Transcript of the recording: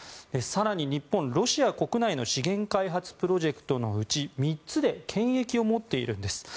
更に、日本、ロシア国内の資源開発プロジェクトのうち３つで権益を持っているんです。